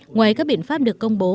ngoài các biện pháp được công bố